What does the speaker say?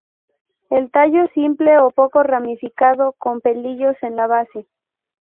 El tallo simple o poco ramificado con pelillos en la base.